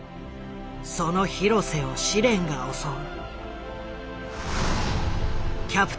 その廣瀬を試練が襲う。